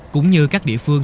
cũng như các địa phương